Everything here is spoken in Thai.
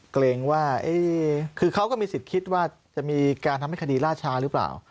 เกรงว่าคือเขาก็มีสิทธิ์คิดว่าจะมีการทำให้คดีล่าช้าหรือเปล่า